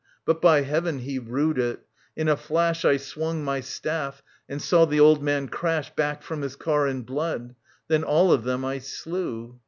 But, by heaven, he rued it ! iii a flash I swung my staff and saw the old man crash Back from his car in blood. ,.. Then all of them I slew.